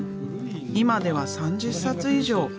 今では３０冊以上。